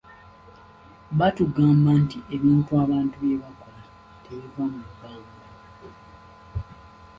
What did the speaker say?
Batugamba nti ebintu abantu bye bakola tebiva mu bbanga.